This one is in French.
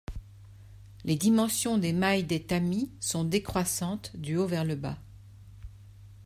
Les dimensions des mailles des tamis sont décroissantes du haut vers le bas.